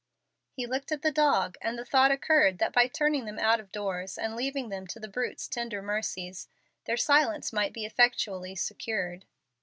He looked at the dog, and the thought occurred that by turning them out of doors and leaving them to the brute's tender mercies their silence might be effectually secured.